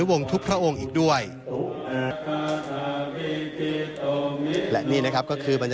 จากวัดพระทาทธร์ฮาริคบุญชัย